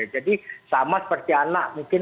jadi sama seperti anak